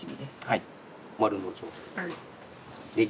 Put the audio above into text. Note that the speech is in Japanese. はい。